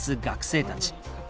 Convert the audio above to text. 学生たち。